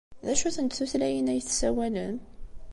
D acu-tent tutlayin ay tessawalem?